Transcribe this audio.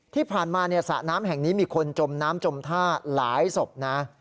ที่ผ่านมาสระน้ำแห่งนี้มีคนจมน้ำจมท่าหลายศพนะ